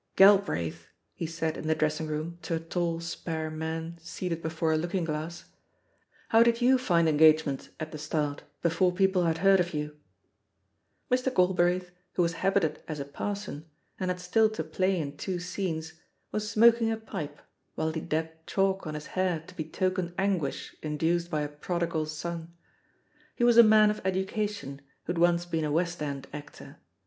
"Galbraith," he said in the dressing room, to a tall, spare man seated before a looking glass, 6 THE POSITION OF PEGGY HARPER '"how did you find engagements at the start — before people had heard of you V* Mr. Galbraith^ who was habited as a parson, and had still to play in two scenes, was smoking a pipe, whUe he dabbed chalk on his hair to be token anguish induced by a prodigal son. He was a man of education, who had once been a West End actor.